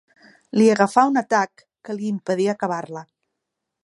Li agafà un atac que li impedí acabar-la.